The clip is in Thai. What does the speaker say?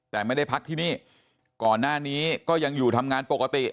แต่ไม่ได้พักที่นี่ก่อนหน้านี้ก็ยังอยู่ทำงานปกติ